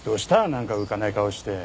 なんか浮かない顔して。